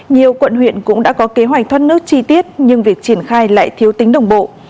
nhiều quận huyện cũng đã có kế hoạch thoát nước chi tiết nhưng việc triển khai lại thiếu tính đồng bộ